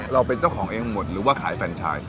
เราเป็นเจ้าของเองหมดหรือว่าขายแฟนชาย